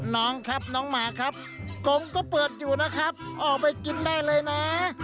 น้องครับน้องหมาครับกงก็เปิดอยู่นะครับออกไปกินได้เลยนะ